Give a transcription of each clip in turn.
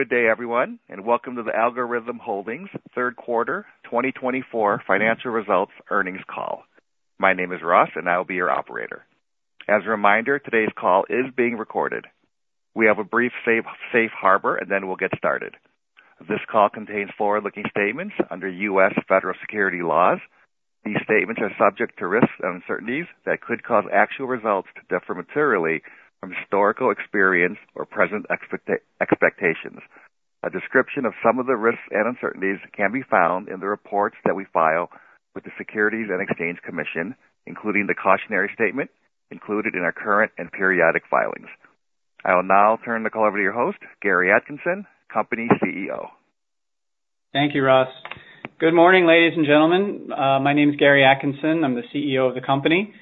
Good day, everyone, and welcome to the Algorhythm Holdings Third Quarter 2024 Financial Results Earnings Call. My name is Russ, and I'll be your operator. As a reminder, today's call is being recorded. We have a brief safe harbor, and then we'll get started. This call contains forward-looking statements under U.S. federal securities laws. These statements are subject to risks and uncertainties that could cause actual results to differ materially from historical experience or present expectations. A description of some of the risks and uncertainties can be found in the reports that we file with the Securities and Exchange Commission, including the cautionary statement included in our current and periodic filings. I will now turn the call over to your host, Gary Atkinson, company CEO. Thank you, Russ. Good morning, ladies and gentlemen. My name is Gary Atkinson. I'm the CEO of the company.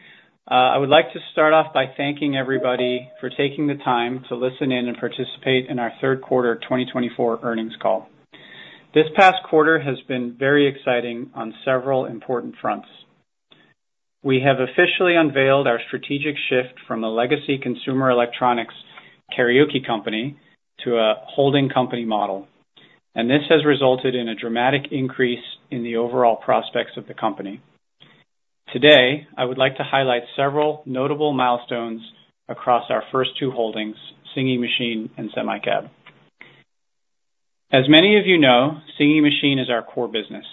I would like to start off by thanking everybody for taking the time to listen in and participate in our Third Quarter 2024 Earnings Call. This past quarter has been very exciting on several important fronts. We have officially unveiled our strategic shift from a legacy consumer electronics karaoke company to a holding company model, and this has resulted in a dramatic increase in the overall prospects of the company. Today, I would like to highlight several notable milestones across our first two holdings, Singing Machine and SemiCab. As many of you know, Singing Machine is our core business.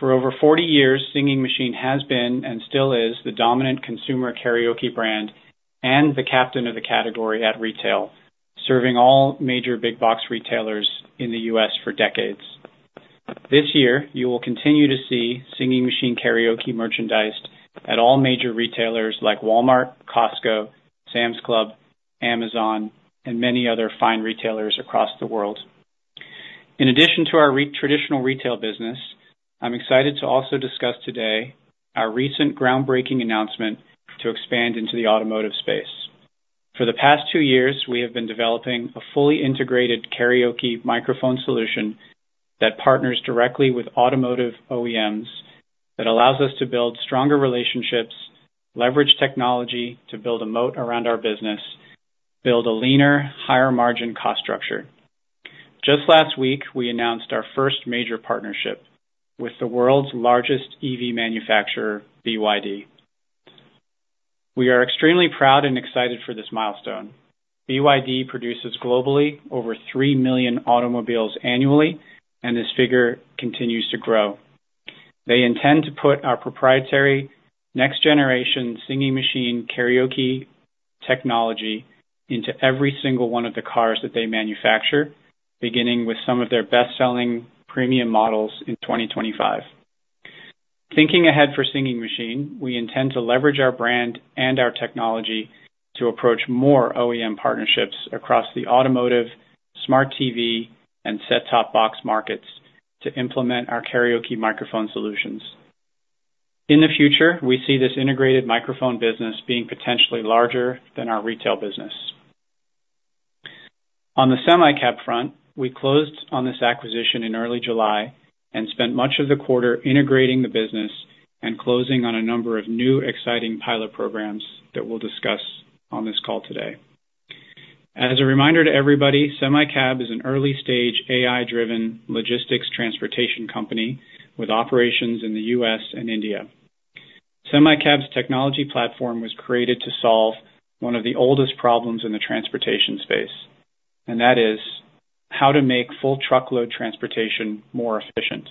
For over 40 years, Singing Machine has been and still is the dominant consumer karaoke brand and the captain of the category at retail, serving all major big-box retailers in the U.S. for decades. This year, you will continue to see Singing Machine karaoke merchandised at all major retailers like Walmart, Costco, Sam's Club, Amazon, and many other fine retailers across the world. In addition to our traditional retail business, I'm excited to also discuss today our recent groundbreaking announcement to expand into the automotive space. For the past two years, we have been developing a fully integrated karaoke microphone solution that partners directly with automotive OEMs that allows us to build stronger relationships, leverage technology to build a moat around our business, and build a leaner, higher-margin cost structure. Just last week, we announced our first major partnership with the world's largest EV manufacturer, BYD. We are extremely proud and excited for this milestone. BYD produces globally over $3 million automobiles annually, and this figure continues to grow. They intend to put our proprietary next-generation Singing Machine karaoke technology into every single one of the cars that they manufacture, beginning with some of their best-selling premium models in 2025. Thinking ahead for Singing Machine, we intend to leverage our brand and our technology to approach more OEM partnerships across the automotive, smart TV, and set-top box markets to implement our karaoke microphone solutions. In the future, we see this integrated microphone business being potentially larger than our retail business. On the SemiCab front, we closed on this acquisition in early July and spent much of the quarter integrating the business and closing on a number of new exciting pilot programs that we'll discuss on this call today. As a reminder to everybody, SemiCab is an early-stage, AI-driven logistics transportation company with operations in the U.S. and India. SemiCab's technology platform was created to solve one of the oldest problems in the transportation space, and that is how to make full truckload transportation more efficient.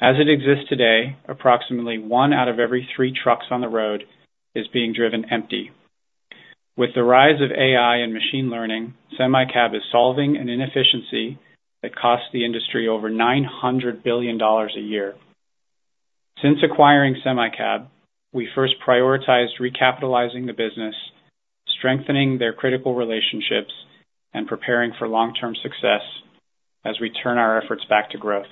As it exists today, approximately one out of every three trucks on the road is being driven empty. With the rise of AI and machine learning, SemiCab is solving an inefficiency that costs the industry over $900 billion a year. Since acquiring SemiCab, we first prioritized recapitalizing the business, strengthening their critical relationships, and preparing for long-term success as we turn our efforts back to growth.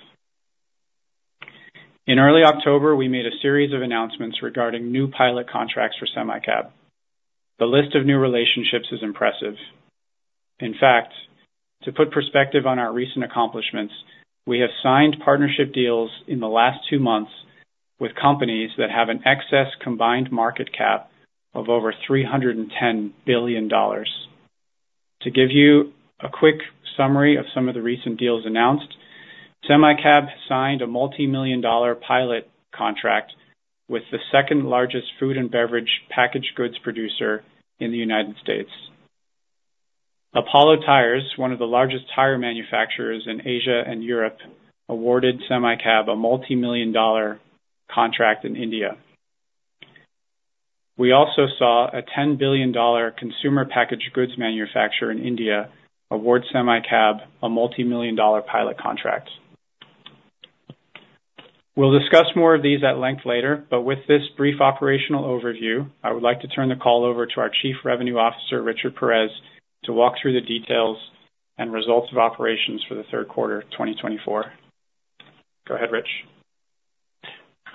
In early October, we made a series of announcements regarding new pilot contracts for SemiCab. The list of new relationships is impressive. In fact, to put perspective on our recent accomplishments, we have signed partnership deals in the last two months with companies that have an excess combined market cap of over $310 billion. To give you a quick summary of some of the recent deals announced, SemiCab signed a multi-million-dollar pilot contract with the second-largest food and beverage packaged goods producer in the United States. Apollo Tyres, one of the largest tire manufacturers in Asia and Europe, awarded SemiCab a multi-million-dollar contract in India. We also saw a $10 billion consumer packaged goods manufacturer in India award SemiCab a multi-million-dollar pilot contract. We'll discuss more of these at length later, but with this brief operational overview, I would like to turn the call over to our Chief Revenue Officer, Richard Perez, to walk through the details and results of operations for the Third Quarter 2024. Go ahead, Rich.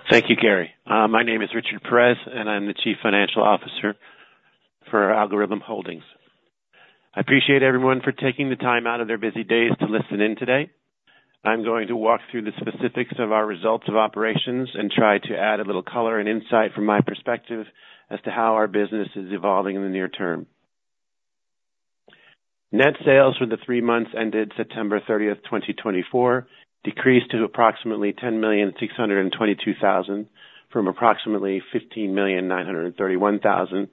Thank you, Gary. My name is Richard Perez, and I'm the Chief Financial Officer for Algorhythm Holdings. I appreciate everyone for taking the time out of their busy days to listen in today. I'm going to walk through the specifics of our results of operations and try to add a little color and insight from my perspective as to how our business is evolving in the near term. Net sales for the three months ended September 30, 2024, decreased to approximately $10,622,000 from approximately $15,931,000,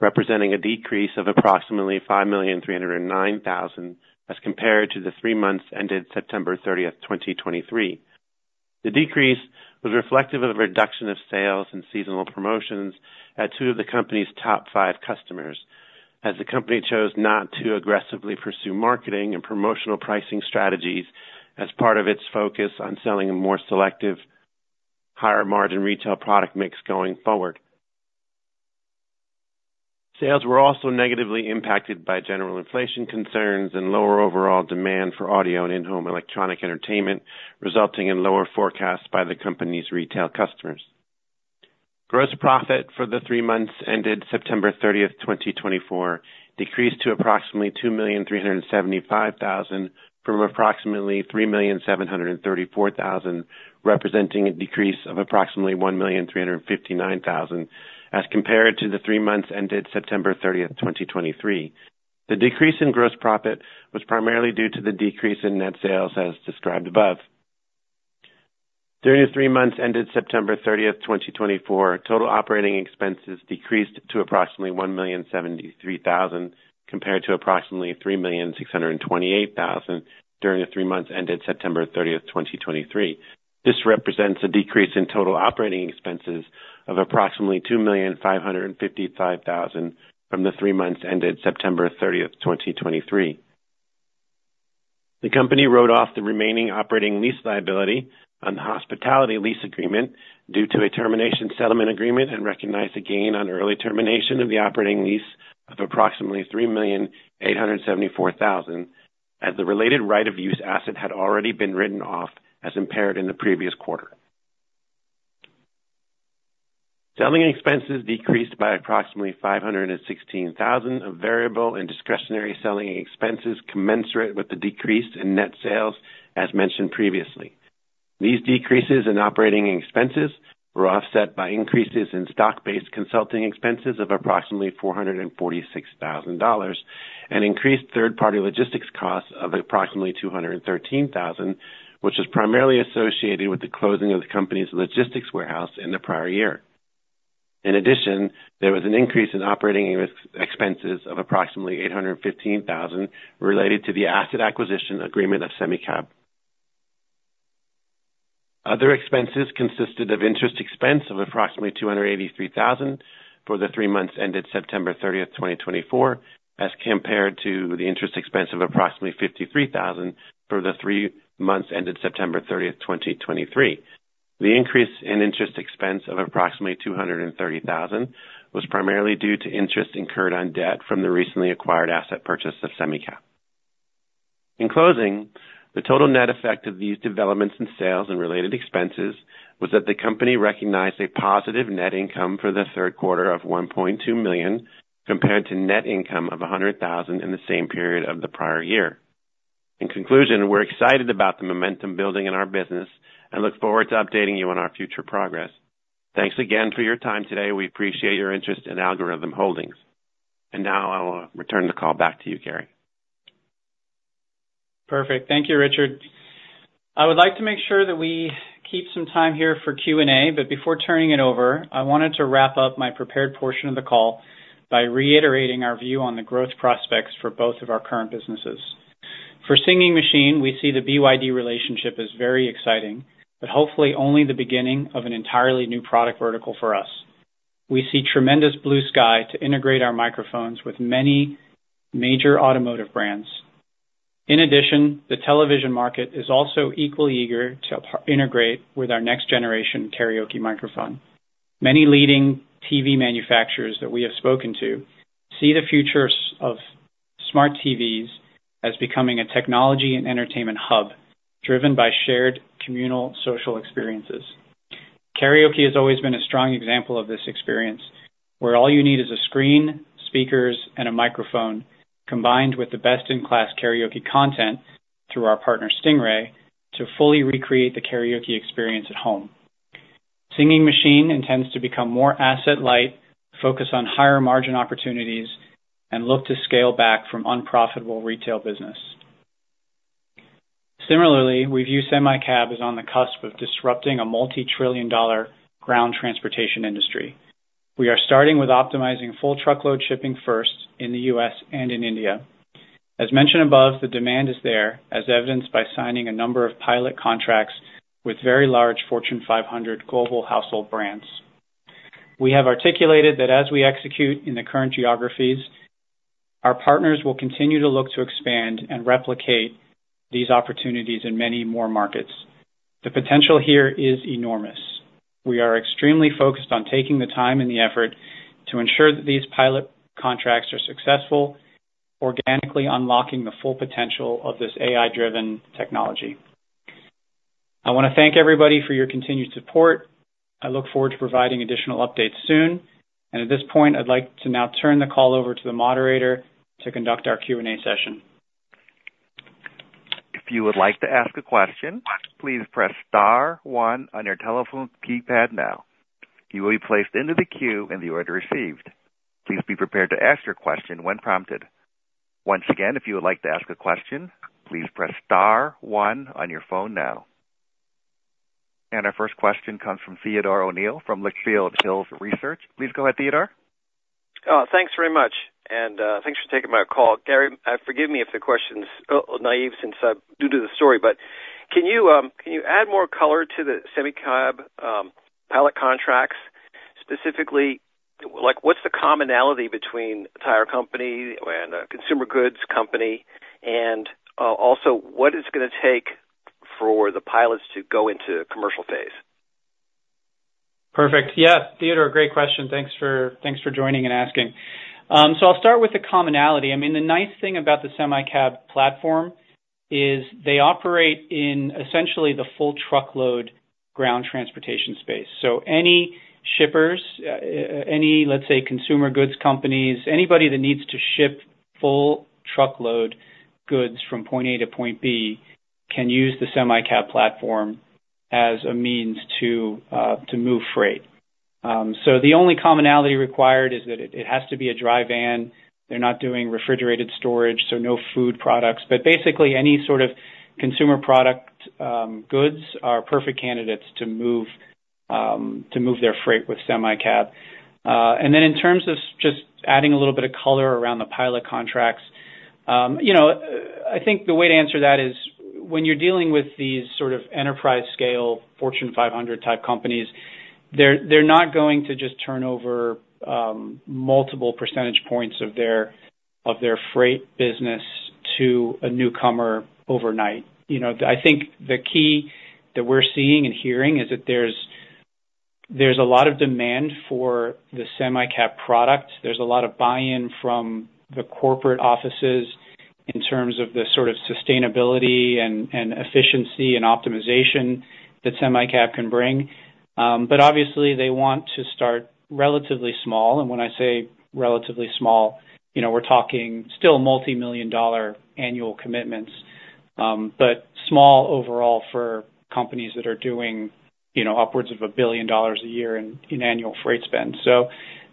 representing a decrease of approximately $5,309,000 as compared to the three months ended September 30, 2023. The decrease was reflective of a reduction of sales and seasonal promotions at two of the company's top five customers, as the company chose not to aggressively pursue marketing and promotional pricing strategies as part of its focus on selling a more selective, higher-margin retail product mix going forward. Sales were also negatively impacted by general inflation concerns and lower overall demand for audio and in-home electronic entertainment, resulting in lower forecasts by the company's retail customers. Gross profit for the three months ended September 30, 2024, decreased to approximately $2,375,000 from approximately $3,734,000, representing a decrease of approximately $1,359,000 as compared to the three months ended September 30, 2023. The decrease in gross profit was primarily due to the decrease in net sales as described above. During the three months ended September 30, 2024, total operating expenses decreased to approximately $1,073,000 compared to approximately $3,628,000 during the three months ended September 30, 2023. This represents a decrease in total operating expenses of approximately $2,555,000 from the three months ended September 30, 2023. The company wrote off the remaining operating lease liability on the hospitality lease agreement due to a termination settlement agreement and recognized a gain on early termination of the operating lease of approximately $3,874,000, as the related right-of-use asset had already been written off as impaired in the previous quarter. Selling expenses decreased by approximately $516,000 of variable and discretionary selling expenses commensurate with the decrease in net sales, as mentioned previously. These decreases in operating expenses were offset by increases in stock-based consulting expenses of approximately $446,000 and increased third-party logistics costs of approximately $213,000, which was primarily associated with the closing of the company's logistics warehouse in the prior year. In addition, there was an increase in operating expenses of approximately $815,000 related to the asset acquisition agreement of SemiCab. Other expenses consisted of interest expense of approximately $283,000 for the three months ended September 30, 2024, as compared to the interest expense of approximately $53,000 for the three months ended September 30, 2023. The increase in interest expense of approximately $230,000 was primarily due to interest incurred on debt from the recently acquired asset purchase of SemiCab. In closing, the total net effect of these developments in sales and related expenses was that the company recognized a positive net income for the Third Quarter of $1.2 million compared to net income of $100,000 in the same period of the prior year. In conclusion, we're excited about the momentum building in our business and look forward to updating you on our future progress. Thanks again for your time today. We appreciate your interest in Algorhythm Holdings. And now I'll return the call back to you, Gary. Perfect. Thank you, Richard. I would like to make sure that we keep some time here for Q&A, but before turning it over, I wanted to wrap up my prepared portion of the call by reiterating our view on the growth prospects for both of our current businesses. For Singing Machine, we see the BYD relationship as very exciting, but hopefully only the beginning of an entirely new product vertical for us. We see tremendous blue sky to integrate our microphones with many major automotive brands. In addition, the television market is also equally eager to integrate with our next-generation karaoke microphone. Many leading TV manufacturers that we have spoken to see the future of smart TVs as becoming a technology and entertainment hub driven by shared communal social experiences. Karaoke has always been a strong example of this experience, where all you need is a screen, speakers, and a microphone combined with the best-in-class karaoke content through our partner, Stingray, to fully recreate the karaoke experience at home. Singing Machine intends to become more asset-light, focus on higher-margin opportunities, and look to scale back from unprofitable retail business. Similarly, we view SemiCab as on the cusp of disrupting a multi-trillion-dollar ground transportation industry. We are starting with optimizing full truckload shipping first in the U.S. and in India. As mentioned above, the demand is there, as evidenced by signing a number of pilot contracts with very large Fortune 500 global household brands. We have articulated that as we execute in the current geographies, our partners will continue to look to expand and replicate these opportunities in many more markets. The potential here is enormous. We are extremely focused on taking the time and the effort to ensure that these pilot contracts are successful, organically unlocking the full potential of this AI-driven technology. I want to thank everybody for your continued support. I look forward to providing additional updates soon, and at this point, I'd like to now turn the call over to the moderator to conduct our Q&A session. If you would like to ask a question, please press star one on your telephone keypad now. You will be placed into the queue in the order received. Please be prepared to ask your question when prompted. Once again, if you would like to ask a question, please press star one on your phone now. And our first question comes from Theodore O'Neill from Litchfield Hills Research. Please go ahead, Theodore. Thanks very much. And thanks for taking my call. Gary, forgive me if the question's naive due to the story, but can you add more color to the SemiCab pilot contracts? Specifically, what's the commonality between a tire company and a consumer goods company? And also, what is it going to take for the pilots to go into commercial phase? Perfect. Yeah, Theodore, great question. Thanks for joining and asking, so I'll start with the commonality. I mean, the nice thing about the SemiCab platform is they operate in essentially the full truckload ground transportation space, so any shippers, any, let's say, consumer goods companies, anybody that needs to ship full truckload goods from point A to point B can use the SemiCab platform as a means to move freight, so the only commonality required is that it has to be a dry van. They're not doing refrigerated storage, so no food products. But basically, any sort of consumer product goods are perfect candidates to move their freight with SemiCab. And then in terms of just adding a little bit of color around the pilot contracts, I think the way to answer that is when you're dealing with these sort of enterprise-scale Fortune 500-type companies, they're not going to just turn over multiple percentage points of their freight business to a newcomer overnight. I think the key that we're seeing and hearing is that there's a lot of demand for the SemiCab products. There's a lot of buy-in from the corporate offices in terms of the sort of sustainability and efficiency and optimization that SemiCab can bring. But obviously, they want to start relatively small. And when I say relatively small, we're talking still multi-million-dollar annual commitments, but small overall for companies that are doing upwards of $1 billion a year in annual freight spend.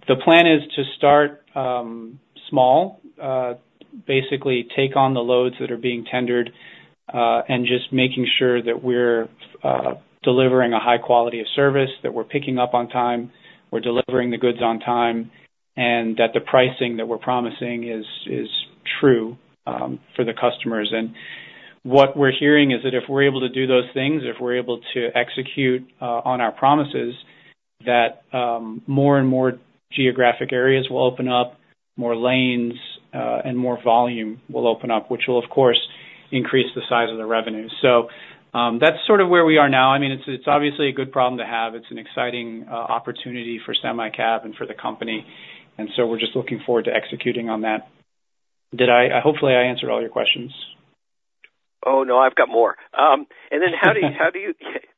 The plan is to start small, basically take on the loads that are being tendered, and just making sure that we're delivering a high quality of service, that we're picking up on time, we're delivering the goods on time, and that the pricing that we're promising is true for the customers. And what we're hearing is that if we're able to do those things, if we're able to execute on our promises, that more and more geographic areas will open up, more lanes, and more volume will open up, which will, of course, increase the size of the revenue. So that's sort of where we are now. I mean, it's obviously a good problem to have. It's an exciting opportunity for SemiCab and for the company. And so we're just looking forward to executing on that. Hopefully, I answered all your questions. Oh, no, I've got more. And then, how do you,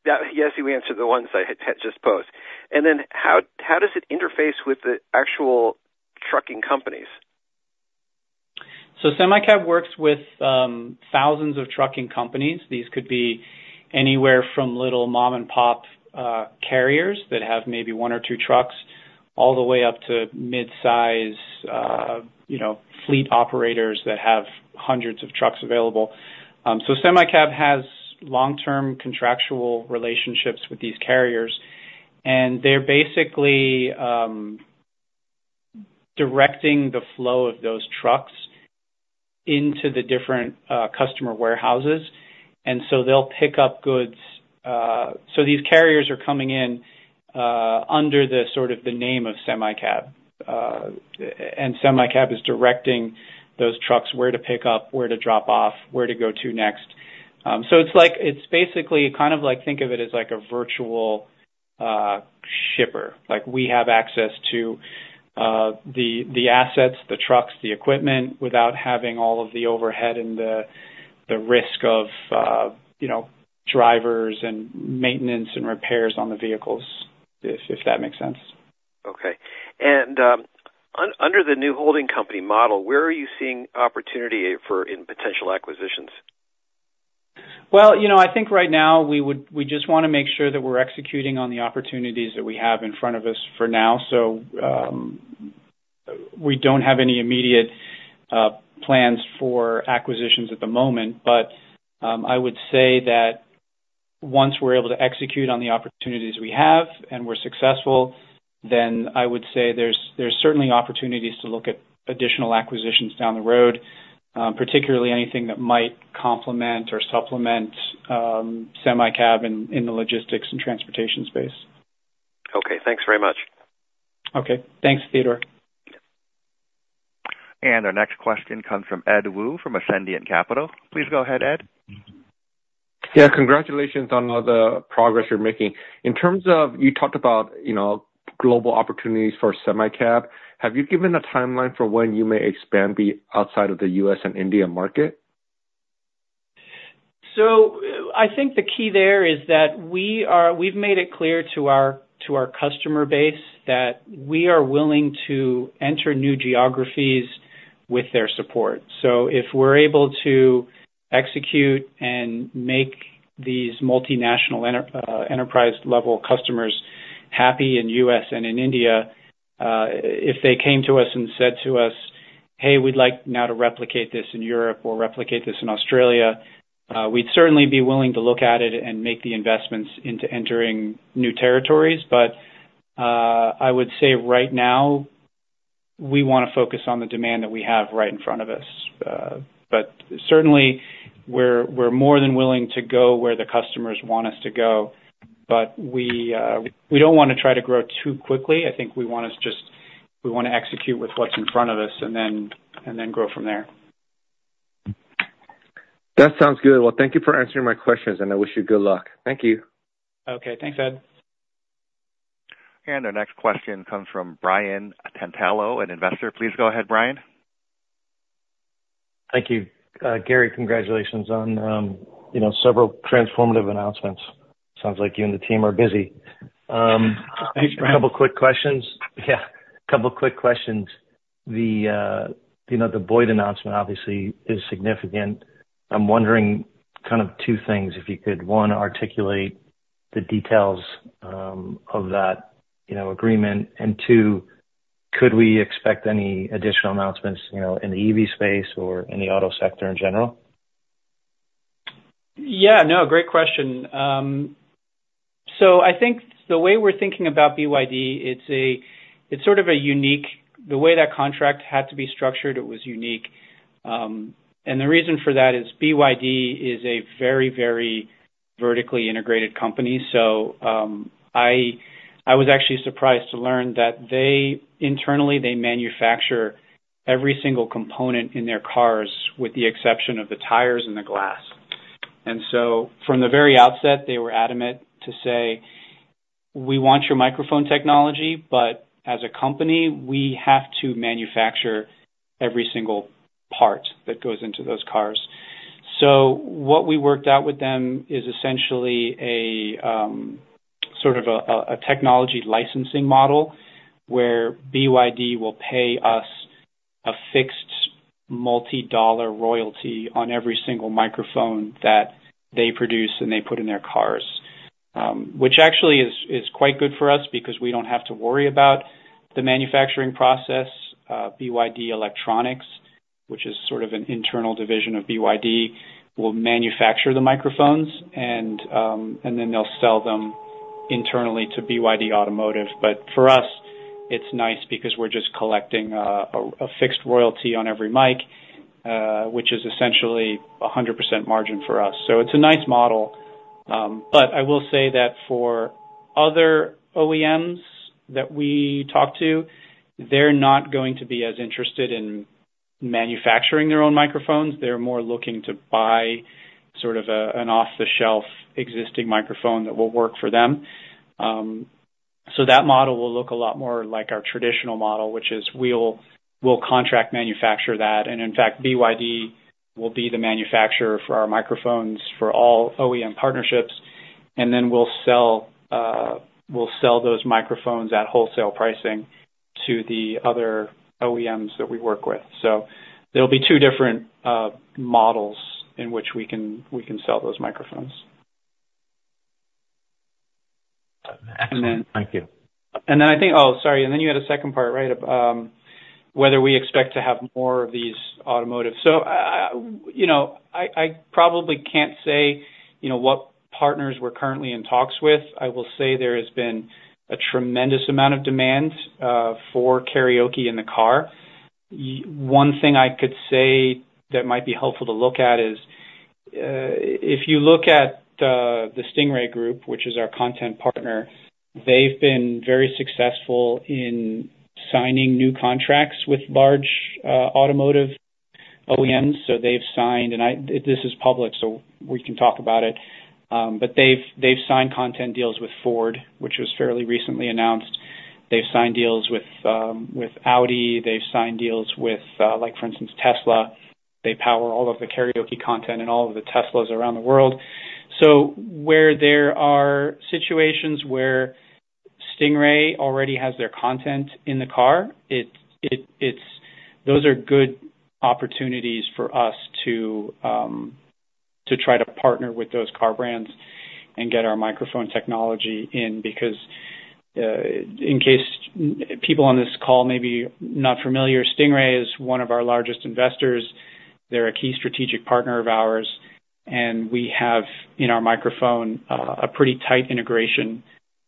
yes, you answered the ones I had just posed. And then, how does it interface with the actual trucking companies? So SemiCab works with thousands of trucking companies. These could be anywhere from little mom-and-pop carriers that have maybe one or two trucks all the way up to mid-size fleet operators that have hundreds of trucks available. So SemiCab has long-term contractual relationships with these carriers, and they're basically directing the flow of those trucks into the different customer warehouses. And so they'll pick up goods. So these carriers are coming in under the sort of the name of SemiCab, and SemiCab is directing those trucks where to pick up, where to drop off, where to go to next. So it's basically kind of like, think of it as like a virtual shipper. We have access to the assets, the trucks, the equipment without having all of the overhead and the risk of drivers and maintenance and repairs on the vehicles, if that makes sense. Okay, and under the new holding company model, where are you seeing opportunity for potential acquisitions? I think right now we just want to make sure that we're executing on the opportunities that we have in front of us for now. We don't have any immediate plans for acquisitions at the moment. I would say that once we're able to execute on the opportunities we have and we're successful, then I would say there's certainly opportunities to look at additional acquisitions down the road, particularly anything that might complement or supplement SemiCab in the logistics and transportation space. Okay. Thanks very much. Okay. Thanks, Theodore. Our next question comes from Ed Woo from Ascendiant Capital. Please go ahead, Ed. Yeah. Congratulations on all the progress you're making. In terms of you talked about global opportunities for SemiCab, have you given a timeline for when you may expand outside of the U.S. and Indian market? I think the key there is that we've made it clear to our customer base that we are willing to enter new geographies with their support. If we're able to execute and make these multinational enterprise-level customers happy in the U.S. and in India, if they came to us and said to us, "Hey, we'd like now to replicate this in Europe or replicate this in Australia," we'd certainly be willing to look at it and make the investments into entering new territories. I would say right now we want to focus on the demand that we have right in front of us. Certainly, we're more than willing to go where the customers want us to go, but we don't want to try to grow too quickly. I think we want to execute with what's in front of us and then grow from there. That sounds good. Well, thank you for answering my questions, and I wish you good luck. Thank you. Okay. Thanks, Ed. And our next question comes from Brian Tantalo, an investor. Please go ahead, Brian. Thank you. Gary, congratulations on several transformative announcements. Sounds like you and the team are busy. Thanks, Brian. A couple of quick questions. Yeah. A couple of quick questions. The BYD announcement obviously is significant. I'm wondering kind of two things, if you could, one, articulate the details of that agreement, and two, could we expect any additional announcements in the EV space or in the auto sector in general? Yeah. No, great question, so I think the way we're thinking about BYD, it's sort of a unique, the way that contract had to be structured, it was unique. And the reason for that is BYD is a very, very vertically integrated company, so I was actually surprised to learn that internally, they manufacture every single component in their cars with the exception of the tires and the glass. And so from the very outset, they were adamant to say, "We want your microphone technology, but as a company, we have to manufacture every single part that goes into those cars." So what we worked out with them is essentially sort of a technology licensing model where BYD will pay us a fixed multi-dollar royalty on every single microphone that they produce and they put in their cars, which actually is quite good for us because we don't have to worry about the manufacturing process. BYD Electronics, which is sort of an internal division of BYD, will manufacture the microphones, and then they'll sell them internally to BYD Automotive. But for us, it's nice because we're just collecting a fixed royalty on every mic, which is essentially 100% margin for us. So it's a nice model. But I will say that for other OEMs that we talk to, they're not going to be as interested in manufacturing their own microphones. They're more looking to buy sort of an off-the-shelf existing microphone that will work for them. So that model will look a lot more like our traditional model, which is we'll contract manufacture that. And in fact, BYD will be the manufacturer for our microphones for all OEM partnerships, and then we'll sell those microphones at wholesale pricing to the other OEMs that we work with. So there'll be two different models in which we can sell those microphones. Excellent. Thank you. And then I think, oh, sorry. And then you had a second part, right? Whether we expect to have more of these automotive. So I probably can't say what partners we're currently in talks with. I will say there has been a tremendous amount of demand for karaoke in the car. One thing I could say that might be helpful to look at is if you look at the Stingray Group, which is our content partner, they've been very successful in signing new contracts with large automotive OEMs. So they've signed, and this is public, so we can talk about it, but they've signed content deals with Ford, which was fairly recently announced. They've signed deals with Audi. They've signed deals with, for instance, Tesla. They power all of the karaoke content and all of the Teslas around the world. So where there are situations where Stingray already has their content in the car, those are good opportunities for us to try to partner with those car brands and get our microphone technology in because in case people on this call may be not familiar, Stingray is one of our largest investors. They're a key strategic partner of ours, and we have in our microphone a pretty tight integration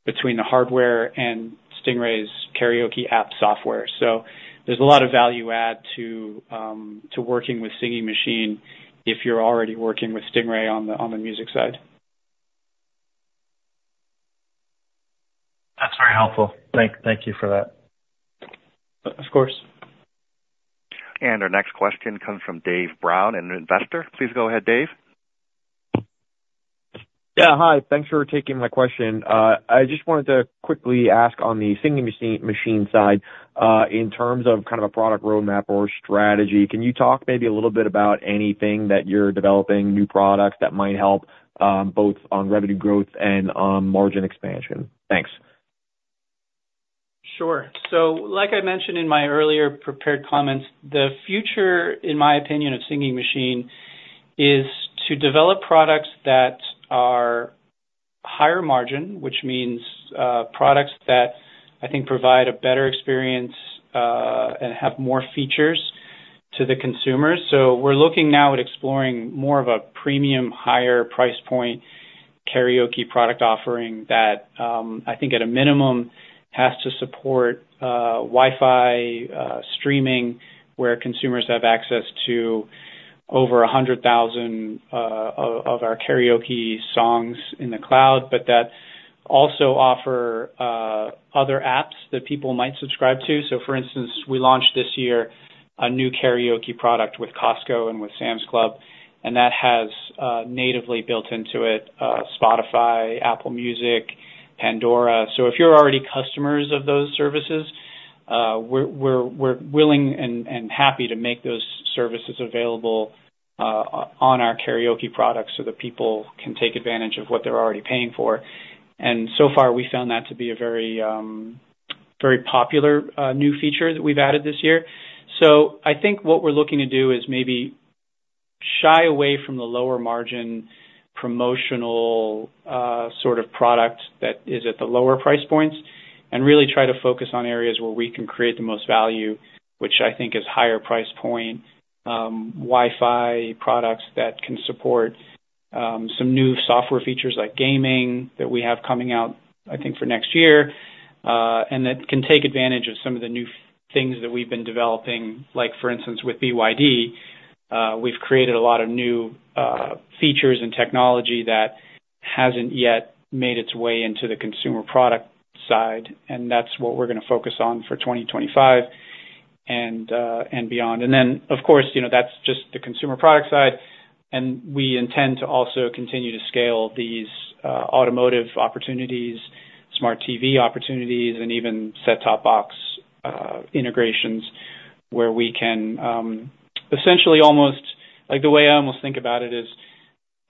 between the hardware and Stingray's karaoke app software. So there's a lot of value add to working with Singing Machine if you're already working with Stingray on the music side. That's very helpful. Thank you for that. Of course. Our next question comes from Dave Brown, an investor. Please go ahead, Dave. Yeah. Hi. Thanks for taking my question. I just wanted to quickly ask on the Singing Machine side, in terms of kind of a product roadmap or strategy, can you talk maybe a little bit about anything that you're developing, new products that might help both on revenue growth and margin expansion? Thanks. Sure. So like I mentioned in my earlier prepared comments, the future, in my opinion, of Singing Machine is to develop products that are higher margin, which means products that I think provide a better experience and have more features to the consumers. So we're looking now at exploring more of a premium, higher price point karaoke product offering that I think at a minimum has to support Wi-Fi streaming where consumers have access to over 100,000 of our karaoke songs in the cloud, but that also offer other apps that people might subscribe to. So for instance, we launched this year a new karaoke product with Costco and with Sam's Club, and that has natively built into it Spotify, Apple Music, Pandora. So if you're already customers of those services, we're willing and happy to make those services available on our karaoke products so that people can take advantage of what they're already paying for. And so far, we found that to be a very popular new feature that we've added this year. So I think what we're looking to do is maybe shy away from the lower margin promotional sort of product that is at the lower price points and really try to focus on areas where we can create the most value, which I think is higher price point, Wi-Fi products that can support some new software features like gaming that we have coming out, I think, for next year, and that can take advantage of some of the new things that we've been developing. For instance, with BYD, we've created a lot of new features and technology that hasn't yet made its way into the consumer product side, and that's what we're going to focus on for 2025 and beyond. And then, of course, that's just the consumer product side. And we intend to also continue to scale these automotive opportunities, smart TV opportunities, and even set-top box integrations where we can essentially almost, the way I almost think about it is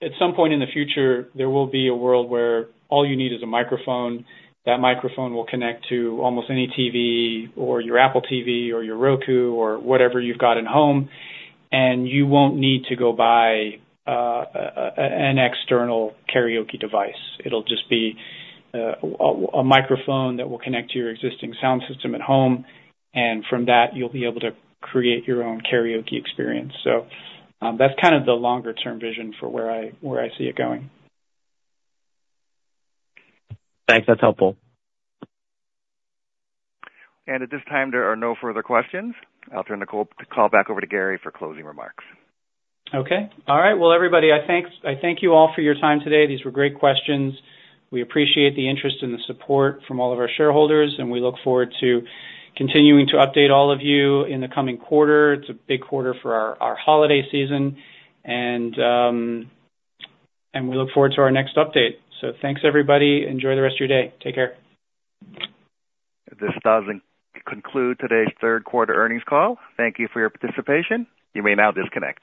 at some point in the future, there will be a world where all you need is a microphone. That microphone will connect to almost any TV or your Apple TV or your Roku or whatever you've got at home, and you won't need to go buy an external karaoke device. It'll just be a microphone that will connect to your existing sound system at home, and from that, you'll be able to create your own karaoke experience. So that's kind of the longer-term vision for where I see it going. Thanks. That's helpful. At this time, there are no further questions. I'll turn the call back over to Gary for closing remarks. Okay. All right, well, everybody. I thank you all for your time today. These were great questions. We appreciate the interest and the support from all of our shareholders, and we look forward to continuing to update all of you in the coming quarter. It's a big quarter for our holiday season, and we look forward to our next update, so thanks, everybody. Enjoy the rest of your day. Take care. This does conclude today's third quarter earnings call. Thank you for your participation. You may now disconnect.